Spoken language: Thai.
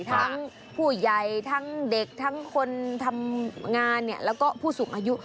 ทั้งผู้ใหญ่ทั้งเด็กทั้งคนทำงานแล้วก็ผู้สูงอายุ